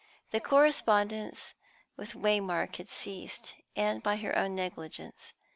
The correspondence with Waymark had ceased, and by her own negligence.